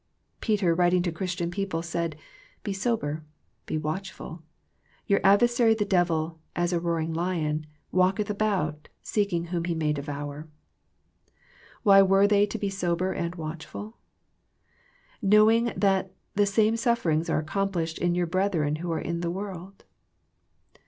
Peter writing to Christian people said, "Be sober, be watchful: your ad versary the devil, as a roaring lion, walketh about, seeking whom he may devour." Why were they to be sober and watchful ?" Know ing that the same sufferings are accomplished in your brethren who are in the world."